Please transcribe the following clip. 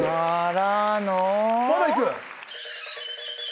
まだいく？